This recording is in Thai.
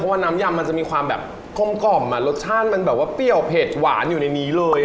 ดูว่าน้ำยำมันจะมีความแบบกรมรสชาติมันเบล็วเผ็ดหวานอยู่ในนี้เลย